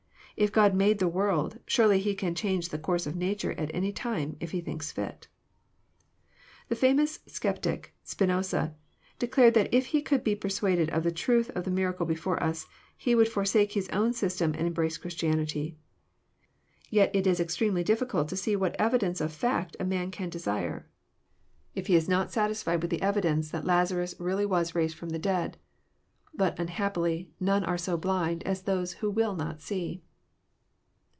if God made the world, surely He can change the course of nature at any time, if He thinks fit. The famous sceptic, Spinosa, declared that if he could be persuaded of the truth of the miracle before us, he would for sake his own system, and em ftrace Christianity. Tet it is ex tremely difficult to see what ev Idence of a fact a man can desire* JOHN, CHAP. XI. 233 If he is not satisfied with the evidence that Lazarus really was raised ftom the dead. Bat, unhappily, none are so hlind as those who will not see.